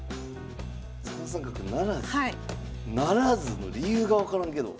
不成の理由が分からんけど。